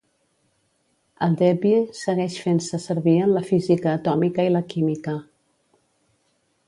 El debye segueix fent-se servir en la física atòmica i la química.